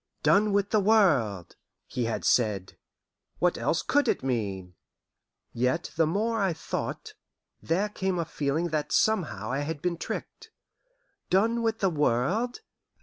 "Done with the world!" he had said. What else could it mean? Yet the more I thought, there came a feeling that somehow I had been tricked. "Done with the world!"